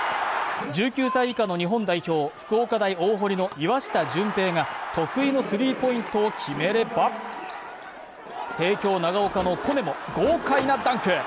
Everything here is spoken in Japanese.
１９歳以下の日本代表、福岡大大濠の岩下准平が得意のスリーポイントを決めれば帝京長岡のコネも豪快なダンク。